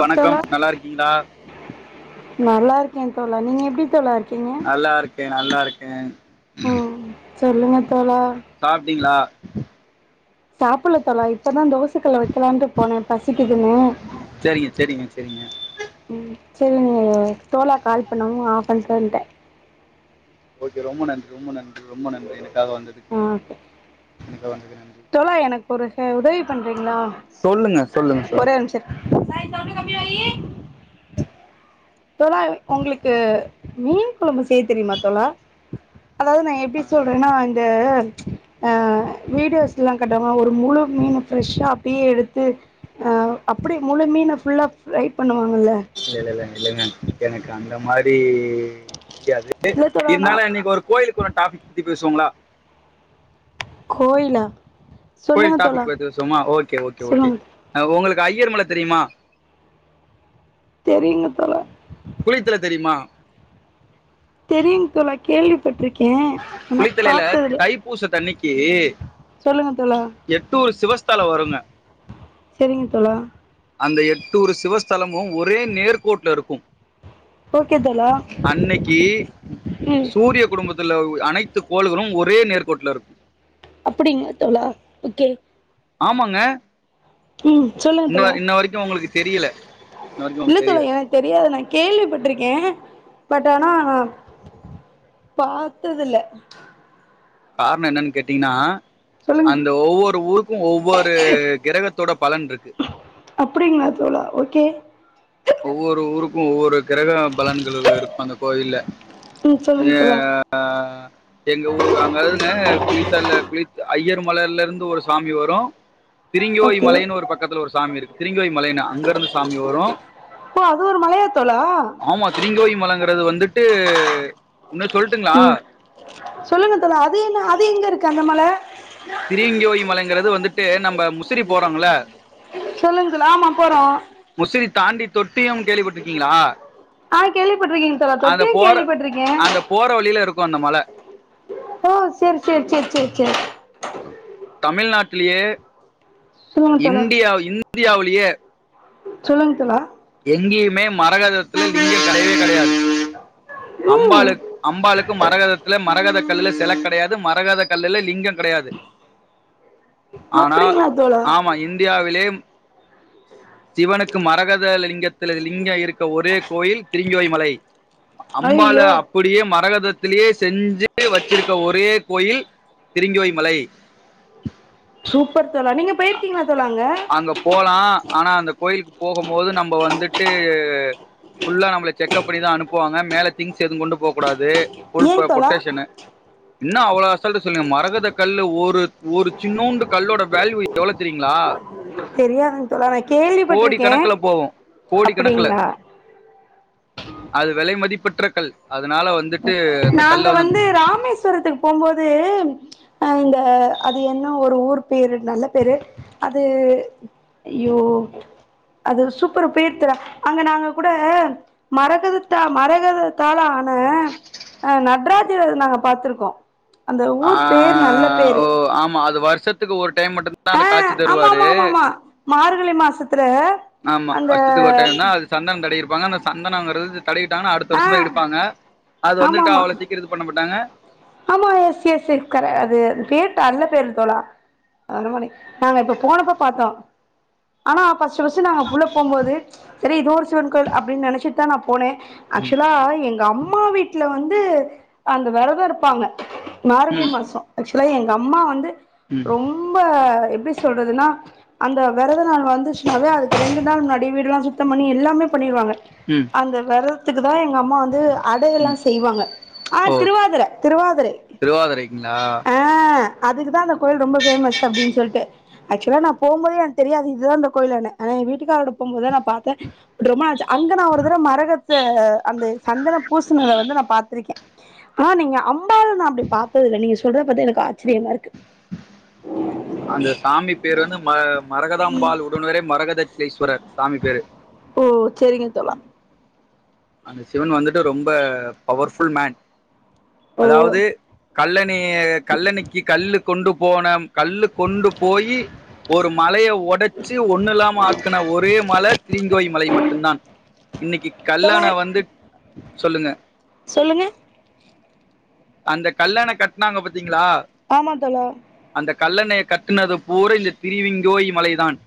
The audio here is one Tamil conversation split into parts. வணக்கம் தோழா நல்லா இருக்கீங்களா நல்லா இருக் கே தோழா நீங்க எப்படி தோழா இருக்கு நல்லாரு நல்லா இருக்கேன் [inaudible] ம் சொல்லுங்க தோழா சாப்ட்டீங்களா சாப்டல தோலா இப்பதான் தோசைக்கல்ல வச்ச லாண்டு போனேன் பசிக்குதுன்னு சரிங்க சரிங்க சரிங்க ம் சரினு தோலா கால் பண்ணாங்கனுஆப் பண்ட்டு வன்டேன் ஓகே ரொம்ப நன்றி ரொம்ப நன்றி ரொம்ப நன்றி எனக்காக வந்ததுக்கு ஆ ஓகே எனக்காக வந்ததுக்கு நன்றி தோழா எனக்கு ஒரு உதவி பண்றீங்களா சொல்லுங்க சொல்லுங்க சொல்லுங்க ஒரே நிமிச்சிரு [inaudible] தோலா உங்களுக்கு மீன் குழம்பு செய்ய தெரியுமா தோலா அதாவது நான் எப்படி சொல்றேன்னா இந்த அ அ வீடியோஸ்லலா காட்டுவாங் ஒரு முழு மீன ஃப்ரெஷ்ஷா அப்டியே எடுத்து அப்படியே முழு மீன ஃபுல்லா ஃப்ரை பண்ணுவாங்கல்ல இல்ல இல்லல இல்லைங்க எனக்கு அந்த மாரி தெரியாது இல்ல தோழா நா இருந்தாலு இன்னைக்கு ஒரு கோயிலுக்கு போன டாபிக் பத்தி பேசுவோங்ளா கோயிலா கோயில் சொல்லுங்க தோழா டாபிக் பத்தி பேசுவோமா ஓகே ஓகே ஓகே சொல்லுங்க உங்களுக் கு ஐயர் மல தெரியுமா தெரியுங்க தோழா குளித்தல தெரியுமா தெரியுங் தோழா கேள்வி குளித்தலைல தைப்பூசத்தன்னிக்கு சொல்லுங்க தோழா எட்டூறு சிவஸ்தல வருங்க செரிங்க தோழா அந்த எட்டூறு சிவஸ்தலம் மு ஒரே நேர்கோட்ல இருக்கு ஓகே தோழா அன்னைக்கு ம் சூரிய குடும்பத் ந்த ஓ அனைத்து கோள்களும் ஒரே நேர்கோட்ல இருக்கு அப்டிங்களா தோழா ஓகே ஆமாங்க ம் சொல்லுங்க தோழா தெரில இல்ல தோழா எனக்கு தெரியாது நான் கேள்விப்பட்டிருக்கேன் பட் ஆனா நான் பாத்ததில்ல காரணம் என்னன்னு கேட்டீங்கன்னா சொல்லுங்க அந்த ஒவ்வொரு ஊருக்கும் ஒவ்வொரு கிரகத்தோட பலன் இருக்கு அப்டிங்களா தோழா ஓகே ஒவ்வொரு ஊருக்கும் ஒவ்வொரு கிரக பலன்கள் இருக்கும் அந்த கோயில்ல ம் சொல்லுங்க எ தோழா ஆ எங்க ஊரு அங்கதுங்க குளிித்தல குளித் ஐயர் மலர்ல இருந்து ஒரு சாமி வரும் திருங்கிகோய் ஓகே மலைன்னனு ஒரு பக்கத்துல ஒரு சாமி இருக்கு திருங்கியோ மலைன்னு அங்க இருந்து சாமி வரும் ஓ அது ஒரு மலையா தோழா விட்டு உன்னும் சொல்ட்டுங்களா ம் சொல்லுங்க தோழா அது என்ன அது எங்க இருக்கு அந்த மல திரிவிங்கோய் மலைங்கிறது வந்துட்டு நம்ம முசிறி போறோங்கள சொல்லுங்க தோழா ஆமா போறோ முசிறி தாண்டி தொட்டியம் கேள்விப்பட்ருக்கிங்களா ஆ கேள்விப்பட்டிருக்கீங்க தோழா தொட்டியம் கேள்விப்பட்டிருக்கேன் இருக்கும் அந்த மலை ஓ சேரி சேரி சேரி சேரி தமிழ்நாட்லேயே சொல்லுங்க தோழா இந்தியா இந் இந்தியாவாலேயே சொல்லுங்க தோலா எங்கேயுமே மரகதத்துல இங்கே கிடையவே கிடையாது ம் அம்பாலு அம்பாளுக்கு மரகதத்தில் மரகத கல்லில் சில கிடையாது மரகத கல்லல்ல லிங்கம் கிடையாது ஆனா அப்டிங்களா தோழா ஆமா இந்தியாவிலே சிவனுக்கு மரக லிங்கத்தில் லிங்க இருக்க ஒரே கோயில் திருங்கோய் மலை அம்பால ஐயோ அப்படியே மரகத த்திலேயே செஞ்சு வச்சிருக்க ஒரே கோயில் திருங்கோய மலை சூப்பர் தோழா நீங்க போயிருக்கீங்கலா தோழா அங்க கோயிலுக்குப் போகும் போது நம்ம வந்துட்டு ஃபுல்லா நம்மப் செக்கப் பண்ணிதான் அனுப்புவாங்க மேல திங்ஸ் எதுவும் கொண்டு போக கூடாது புல் ஏன் தோழா பொட்டேஷன்னு என்ன அவ்வளவு அசால்ட்டு சொல்லுரிங்க மரகத கல்லு ஒரு ஒரு சின்னோண்டு கல்லோட வேல்யூ எவ்வளவு தெரியுங்களா தெரியாதுங்க தோழா நான் கேள்விப்பட்டிருக்கேன் போவோம் கோடி கணக்கில அது விலை மதிப்ப பற்ற கள் அது நாங்க வந்து ராமேஸ்வரத்துக்கு போம்போது இந்த அது என்ன ஒரு ஊர் பேரு நல்ல பேரு அது யோ அது சூப்பர் பேர் தோழா அங்க நாங்க கூட மரகதத்தா மரகதத்தால ஆன அ [unintelligible] நாங்க பாத்துருக்கோ அந்த ஆ ஊர் பேரு நல்ல பேரு சத்துக்கு ஒரு டைம் மட்டு தா அந்த ஆ காட்சி ஆமா தருவாரு ஆமா ஆமா ஆமா மார்கழி மாசத்துல ஆமா அந்த வருஷத்துக்கு ஒரு டைம் தா அது சந்தனம் தடவிரு ப்பாங்க சந்தனங்கறது தடவிட்டாங்கனா அடுத்த ஆ வருஷம் தா எடுப்பாங்க அது ஆமா வந்துட்டு ஆமா அவ்ளோ சீக்கிர இது பண்ண மாட்டாங்க சேர் சேர் கர அது பேர் நல்ல பேரு தோழா அந்த மாரி நாங்க இப்ப போனப்போ பாத்தோ ஆனா ஃபஸ்ட் ஃபஸ்ட் நாங்க உள்ள போம்போது செரி எதோ ஒரு சிவன் கோயில் அப்டினு நெனச்சு தா போனே ஆக்ச்சுவலா எங்க அம் அம்மா வீட்ல வந்து அந்த வெரதம் இருப்பாங்க. மார்கழி ம் மாசோ இல்ல எங்க அம்மா வந்து ம் ரொம்ப எப்டி சொல்றதுனா அந்த வெரத நாள் வந்துச்சுனாவே அதுக்கு ரெண்டு நாள் முன்னாடி வீடுலா சுத்தம் பண்ணி எல்லாமே பண்ணிருவாங்க ம் அந்த வெர தா எங்க அம்மா வந்து அடயெல்லா ம் செய்வாங்க ஆ ஓ திருவாதர திருவாதரை திருவாதிரைக்குங்களா ஆ அதுக்கு தா அந்த கோயில் ரொம்ப ஃபேமஸ் அப்டின்னு சொல்ட்டு ஆக்சுவலா நா போம்போது எனக்கு தெரியாது இது தா அந்த கோயிலுனு ஆ என் வீட்டுக்காரோட போம்போது தா நா பாத்தே ரொம்ப நாள் ஆச்சு அங்க நா ஒரு தடவ மரகத ஆ அந்த சந்தனோ பூசுனத வந்து நா பாத்துருக்கே ஆனா நீங்க அம்பாள் நா அப்டி பாத்தது இல்ல நீங்க சொல்றத பாத்தா எனக்கு ஆச்சிரியமா இருக்கு அந்த சாமி பேரு வந்து ம மரகதாம்பாள் உடுனரே மரகதட்சிலீஸ்வரர் சாமி பேரு ஓ செரிங்க தோழா அந்த சிவன் வந்துட்டு ரொம்ப பவர்ஃபுல் மேன் ஓ அதாவது கல்லணய கல்லணைக்கு கல்லு கொண்டு போன கல்லு கொண்டு போயி ஒரு மலைய ஒடச்சு ஒண்ணு இல்லாம ஆக்குன ஒரே மல திரிங்கோய் மலை மட்டும் தான் இன்னைக்கு கல்ல தோழா நா வந்து சொல்லுங்க சொல்லுங்க அந்த கல்லண கட்னாங்க பத்தி ஆமா தோழா கல்லணைய கட்டுனது பூரா இந்த திரிவிங்கோய் மலைதான்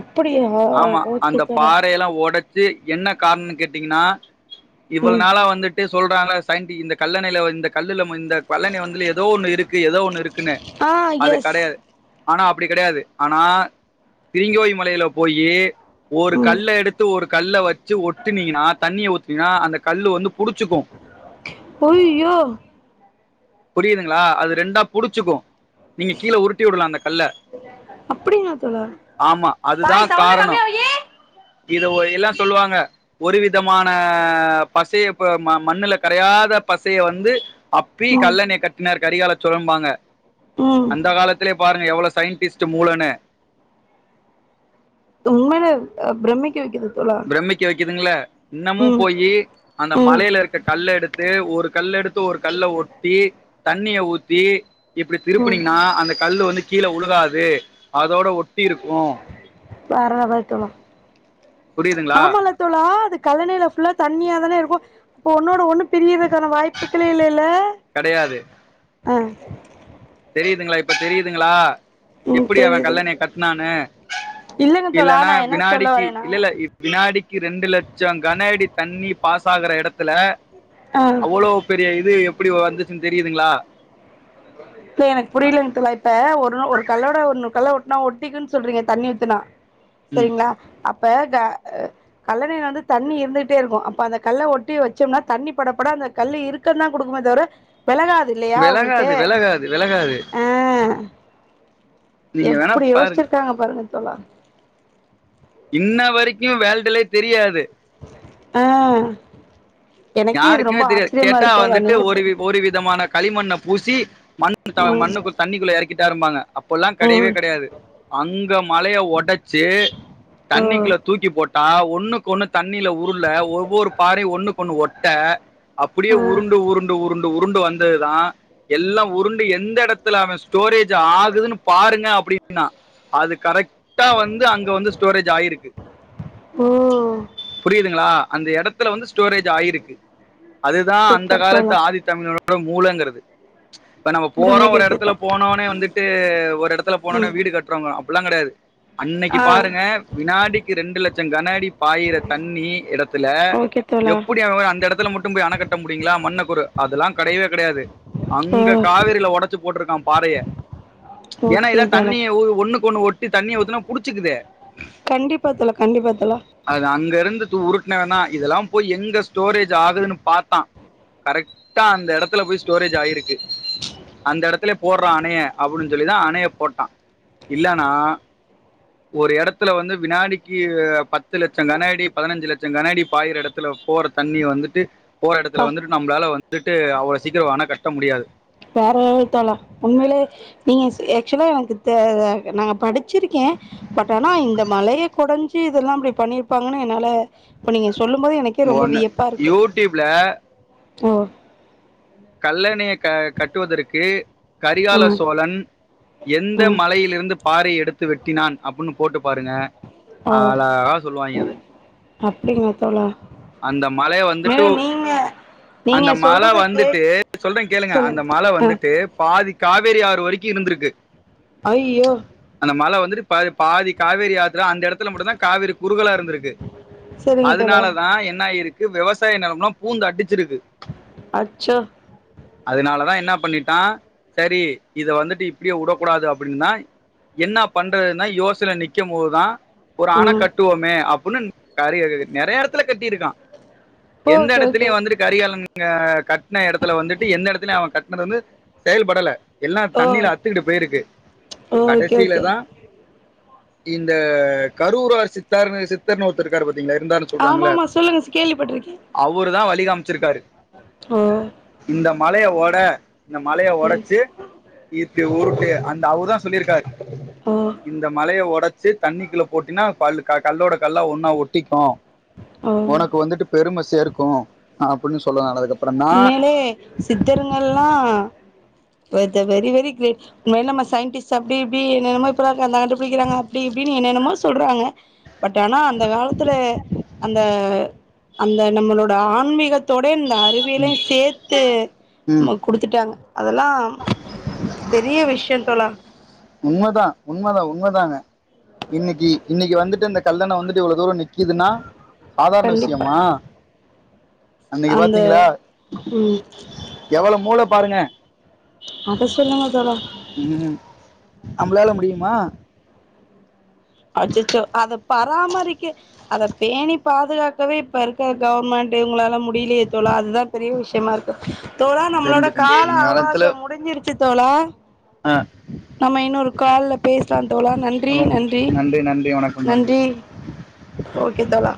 அப்படியா ஆமா ஓகே அந்த தோழா பாறயெல்லா ஒட சே என்ன காரணோன்னு கேட்டீங்கன்னா இவ்வளோ ம் நாளா வந்துட்டு சொல்றாங்கள சயின்டி இந்த கல்லணைல இந்த கல்லுல இந்த கல்லணய வந் இதுல ஏதோ ஒன்னு இருக்கு ஏதோ ஒன்னு இருக்குன்னு ஆ அது எஸ் கடையாது ஆனா அப்டி கிடையாது ஆனா திரிங்கோய் மலையில போயி ஒரு ம் கல்ல எடுத்து ஒரு கல்ல வச்சு ஒட்டுனீங்கனா தண்ணிய ஊத் னிங்கனா அந்த‌ கல்லு வந்து புடிச்சுக்கு அய்யோ புரியுதுங்களா அது ரெண்டா புடிச்சுக்கும். நீங்க கீழ உருட்டி வுடலா அந்தக் கல்ல அப்படியா தோழா ஆமா அது தா சாய் சவுண்ட காரணொ கம்மியா வையி இதுல ஒ எல்லா சொல்லுவாங்க ஒரு விதமான பசையப்ப ம மண்ணுல கரையாத பசைய வந்து அப் ம் கல்லணைய கட்டுனார் கரிகால சோழம்பாங்க ம் அந்த காலத்தேலயே பாருங்க எவ்வளோச் சயின்டிஸ்ட்டு மூலனு உண்மையிலே அ பிரம்மிக்க வைக்குது தோழா பிரம்மிக்க வை குதுங்கள இன்னமு ம் போயி அந்த ம் மலையில இருக்க கல் எடுத் து ஒரு கல்லெடுத் து ஒரு கல்ல ஒட்டி தண்ணிய ஊத்தி இப்டி ம் திருப்புனீங்கன்னா அந்தக் கல்லு வந்து கீழ உழுகாது அதோட ஒட் வேற வைக்கலா புரியுதுங்களா ஆமால தோழா அது கழணில ஃபுல்லா தண்ணியா தானே இருக்கு அப்போ ஒன்னோட ஒன்னு பிரியதுக்கான வாய்ப்புகளே இல்லல கெடையாது அ தெரியுதுங்களா இப்ப தெரியுதுங்களா ம் எப்டி அவ தெரியுது கல்லணையக் கட்னானு இல்லங்க தோழா இல்லன்னா நா என்ன சொல்ல வினாடிக்கி வரேன்னா இல்லல்ல வினாடி கி ரெண்டு லட்சோ கன அடி தண்ணி பாஸ் ஆகுற எடத்துல ஆ அவ்ளோ பெரிய இது எப்டி வந்துச்சுன்னு தெரியுதுங்க்ளா இப்ப எனக்கு புரியலைங்க தோழா இப்ப ஒ ரு ஒரு கல்லோட ஒரு கல்ல ஒட்னா ஒட்டிக்குன்னு சொல்றீங்க தண்ணி ஊத்துனா ம் சரிங்களா அப் ப த அ கல்லணைய வந்து தண்ணி இருந்துகுட்டே இருக்கு அப்ப அந்த கல்ல ஒட்டி வச்சோம்னா தண்ணிப் பட பட அந்த கல் இருக்கம்தா குடுக்குமே தவிர வெலகாது இல்லையா உங்களுக்கு து வெளகாது ஓ எப்டி பாருங்க யோச்சிருக்காங்க பாருங்க தோழா இன்ன வரைக்கு வேல்ட்டுலே தெரியாது ஆ ஒ யாருக்குமே தெரியா கேட்டா வந்துட்டு நீங்க ஒரு சொ வி ஒரு விதமான களிமண்ண பூசி மண் ம் மண்ணுக்கு தண்ணிக்குள்ள எறக் கிட்டாரும்பாங்க அப்பல்லா கெடையவே ம் கெடையாது அந் மலைய ஒடச்சு ஓ தண்ணிக்குள்ள தூக்கி போட் டா ஒண்ணுக்கு ஒண்ணு தண்ணில உருள ஒவ்வொரு பாறையு ஒன்னுக்கு ஒண்ணு ஒ ட்ட அப்படியே ஓ உருண்டு உருண்டு உருண் டு உருண்டு வந்ததுதா எல்லா உருண்டு எந்த எடத்துல அவ ஸ்டோரேஜ் ஆகுதுன்னு பாருங்க அப்டின்னா அது கரெக்ட் டா வந்து அங்க வந்து ஸ்டோரேஜ் ஆயிருக்கு ஓ புரியுதுங்ளா அந்த எடத்துல வந்து ஸ்டோரேஜ் ஆயிருக்கு அதுதா அந்த சூப்பர் காலத்து தோழா ஆதி தமிழனோடு மூலங்குறது இப்ப நம்ம போறோ பிரமிக்க ஒரு எடத்துல கேத்தா போனோனே வந்துட்டு ஒரு எடத்துல போனோனே ம் வீடு கட்றவ்ங்க ப்புல்லாங் கடையாது அன்னக்கி ஆ பாருங்க வினாடிக்கு ரெண்டு லட் கண அடி பாயிற தண்ணி எடத்துல ஓகே தோழா எப்புடி அவ அந்த எடத் துல மட்டு போய் அண கட்ட முடியுங்ளா மண்ண கூறு அதுல்லா கடையவே கடையாது ஓ அங்க காவிரில ஒடச்சு போட்ருக்கா பாறய ஏனா ஓகே இதா தோழா தண்ணிய உ ஒன்னுக் ஒன்னு ஒட்டி தண்ணிய ஊத்துனா புடிச்சுக்குதே கண்டிப்பா தோழா கண்டிப்பா தோழா அது அங்க இருந்து துரு உருட்னவந்தா இதல்லா போய் எங் து ஸ்டோரேஜ் ஆகுதுன்னு பாத்தா கரெக்ட்டா அந்த எடத்துல போய் ஸ்டோரேஜ் ஆகிருக்கு அந்த எடத்துலயே போட்ரா அனைய போட்ட ஒரு எடத்துல வந்து வினாடிக்கு பத்து லட்ச கன அடி பதினைஞ்சு லட்ச கன அடி பாயுற தண்ணி வந்து போற ப்பா எடத்துல வந்துட்டு நம்ப்ளால வந்துட்டு அவ்ளோ சீக்கிர வனக்கட் ட முடியாது வேறலெவல் தோழா உண்மயிலே நீங்க சி ஆக்சுலா எனக்கு தே த நாங்க படிச்சிருக்கே பட் ஆனா இந்த மலய கொடஞ்சசி இதல்லா அப்டி பண்ணிருப்பாங்கன்னு என்னால இப்ப நீங்க சொல்லும் போது எனக்கே ரொம்ப ஒன்னு வியப்பா இருக்கு யூட்யூப்ல ஓ கல்லணைய க கட்டுவதற்கு கரிகால ம் சோழன் எந்த ம் மலையிலிருந்து பாறை எடுத் வெட்டினான் அப்புன்னு போட்டு பாருங்க அழகா சொல்லுவாங்கே அத அப்டிங்கள தோழா அந்த மலை மேல வந்துட்டு நீங்க நீங்க அந்த மல சொல்றத கேக் வந்துட்டு சொல்ற கேளுங்க அந்த மல சொல்லுங்க ஆ வந்துட்டு பாதிக் காவேரி ஆறு வரைக்கு இருந்திருக்கு ஐயயோ பாத் பாதி காவேரி ஆத் அந்த எடத்துல மட்டு தா காவேரி குறுகலா இருந்திருக்கு சரிங்க தோழா அதனால என்னாயிருக்கு விவசாய நெலம்லா பூந்து அடிச் அச்சோ அதனாலதா என்ன பண்ணிட்டா செரி இத வந்துட்டு இப்டியேவுடக்கூடாது அப்புடின் தா என்ன பண்றதுன்னா யோசனைல நிக்க போதுதா ஒரு ம் அணக்கட்டுவோமே அப் இன்னுன் கரிய நெறையா எடத் ல கட்டிருக்கா எந்த ஓகே ஓகே எடத்துலயு வந்துட்டு கரிகாலன் இங்க கட்டுன எடத்துல வந்துட்டு எந்த எடத்துலயு அவ கட்னது வந்து செயல்படல எல்லா ஓ தண்ணில அத்துக்கிட்டு போயிருக்கு ஓ ஓகே கடைசில ஓகே தா இந்த கரூரார் சித்தார்ன்னு சித்தர்ன்னு ஒருத்தர் இருக்காரு பாத்தீங்களா [unintelligible] ஆமாமா சொல்லுங்க கேள்விப்பட்டுருக்கே ழி காமிச்சிருக்காரு ஓ இந்த மலைய ஒட இந்த மலைய ம் ஒடச்சு இப்டி உரு க்கு அந்த அவுரு தா சொல்லிருக்காரு ஓ இந்த மலைய ஒடச்சு தண்ணிக்குள்ள போட்டின்னா பல்லு காட் கல்லோட கல்லா ஒன்னா ஒட்டிக்கு ஓ ஒனக்கு வந்துட்டு பெரும சேர்க்கு அப்புட்ன்னு சொல்லுவாங் [unintelligible] உண்மையிலே சித்தர்ங்கல்லா [unintelligible] வெரி வெரி கிரேட் உண்மையிலே நம்ம சயின்டிஸ்ட் அப்டி இப்டி என்னென்னமோ இப்பதா அந்த கண்டுப்புடிக்கிறாங்க அப்டி இப்டின்னு என்னென்னமோ சொல்றாங்க பட் ஆனா அந்த காலத்துலே அந்த அந்த நம்மளோட ஆன்மீகத்தோடே உண்மைலியே ம் சேத்து ம் ஆமா குடுத்துட்டாங்க அதெல்லா பெரிய விஷ்ய தோழா உண்மதா உண்மதா உண்மதாங்க இன்னைக்கி இன்னைக்கி வந்துட்டு அந்த கல்லண வந்துட்டு இவ்ளோ தூரோ நிக்கிதுன்னா சாதாரண கண்டிப்பா விஷியமா அன்னைக்கு அந்த பாத்தீங்களா ம் எவளோ மூள பாருங்க அத சொல்லுங்க தோழா ம் நம்பளால முடியுமா அச்சச்சோ அத பராமரிக்க அத பேணி பாதுகாக்கவே இப்ப இருக்க கவுவர்மெண்ட் இவுங்களால முடியிலியே தோழா அதுதா பெரிய விஷியமா இருக்கு தோழா நம்மளோட தெரிஞ்சுக்கங்க கால இந்த காலத்துல அவகாசோ முடிஞ்சிருச்சி தோழா ஆ நம்ம இன்னொரு கால்ல பேசலா தோழா நன்றி நன்றி நன்றி ஓகே தோழா